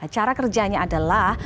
cara kerjanya adalah